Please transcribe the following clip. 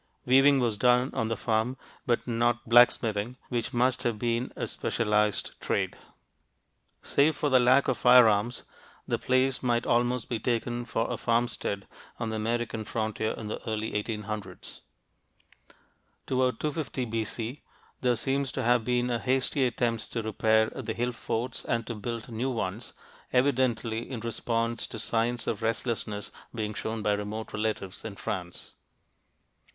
Weaving was done on the farm, but not blacksmithing, which must have been a specialized trade. Save for the lack of firearms, the place might almost be taken for a farmstead on the American frontier in the early 1800's. Toward 250 B.C. there seems to have been a hasty attempt to repair the hill forts and to build new ones, evidently in response to signs of restlessness being shown by remote relatives in France.